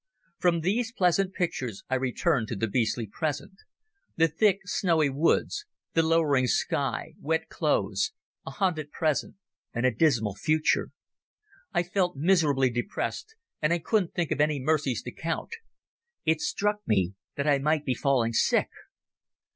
From these pleasant pictures I returned to the beastly present—the thick snowy woods, the lowering sky, wet clothes, a hunted present, and a dismal future. I felt miserably depressed, and I couldn't think of any mercies to count. It struck me that I might be falling sick.